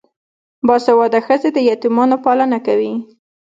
باسواده ښځې د یتیمانو پالنه کوي.